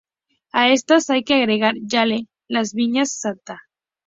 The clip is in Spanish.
A estas hay que agregar Yale, las viñas Sta.